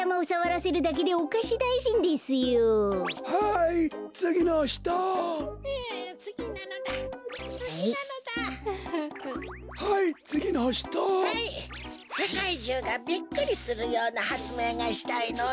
せかいじゅうがびっくりするようなはつめいがしたいのだ。